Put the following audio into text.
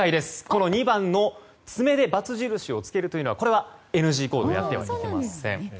この２番の爪でバツ印をつけることはこれはＮＧ行動やってはいけません。